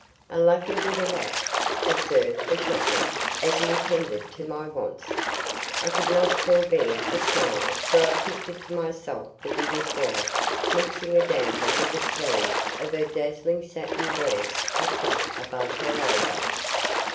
"A 'lucky digger' that," observed the shopman, as he attended to my wants. I could not forbear a smile, for I pictured to myself the digger's wife mixing a damper with the sleeves of her dazzling satin dress tucked up above her elbows.